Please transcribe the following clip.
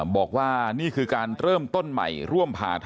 บอกว่านี่คือการเริ่มต้นใหม่